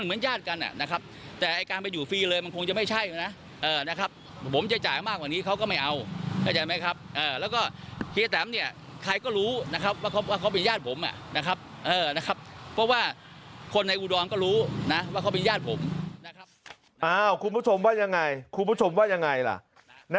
เอ้าคุณผู้ชมว่ายังไงคุณผู้ชมว่ายังไงแหละนะครับ